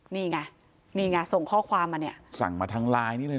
นี่ไงนี่ไงส่งข้อความมาเนี่ย